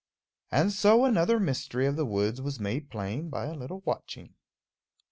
And so another mystery of the woods was made plain by a little watching.